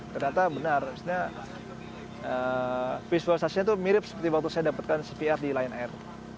ternyata benar sebenarnya visualisasinya itu mirip seperti waktu saya dapatkan cpr di lion air